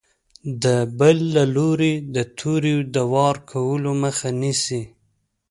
د بل له لوري د تورې د وار کولو مخه نیسي.